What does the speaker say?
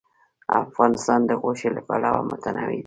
افغانستان د غوښې له پلوه متنوع دی.